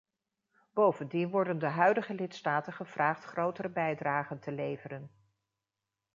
Bovendien worden de huidige lidstaten gevraagd grotere bijdragen te leveren.